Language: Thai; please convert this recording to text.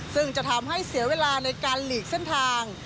ซึ่งจะทำให้เสียเวลาในการหลีกเส้นทาง